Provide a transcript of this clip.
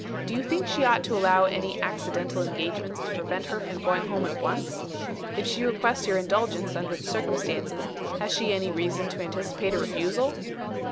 Do you think she ought to allow any accidental engagements to prevent her from going home at once? If she requests your indulgence, under the circumstances, has she any reason to anticipate a refusal?"